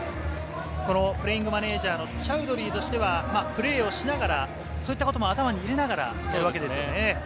プレイングマネージャーのチャウドリーとしては、プレーをしながら、そういったことも頭に入れながらというわけですもんね。